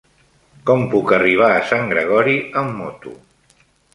Com puc arribar a Sant Gregori amb moto?